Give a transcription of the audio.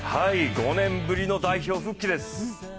５年ぶりの代表復帰です。